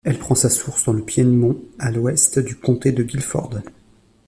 Elle prend sa source dans le Piedmont à l'ouest du comté de Guilford.